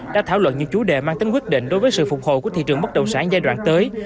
đã thảo luận những chủ đề mang tính quyết định đối với sự phục hồi của thị trường bất động sản giai đoạn tới